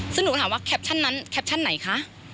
ซึ่งหนูก็ถามว่าแคปชั่นนั้นแคปชั่นไหนคะ